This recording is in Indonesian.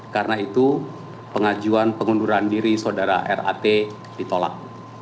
karena itu pengajuan pengunduran diri saudara rat ditolak